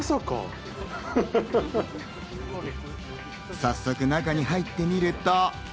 早速、中に入ってみると。